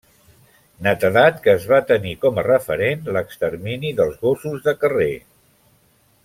Netedat que es va tenir com a referent l'extermini dels gossos de carrer.